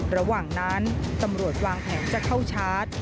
ระหว่างนั้นตำรวจวางแผนจะเข้าชาร์จ